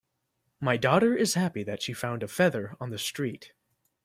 My daughter is happy that she found a feather on the street.